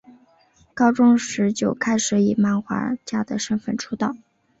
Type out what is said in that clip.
高中时就开始以漫画家的身份出道。